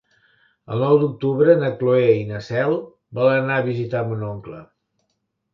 El nou d'octubre na Cloè i na Cel volen anar a visitar mon oncle.